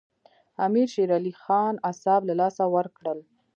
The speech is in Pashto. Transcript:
امیر شېر علي خان اعصاب له لاسه ورکړل.